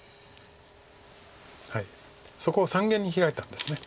そこ三間にヒラいたんですね。